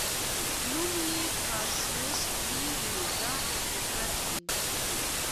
نوم یې کاسیوس کلي و دا حقیقت دی.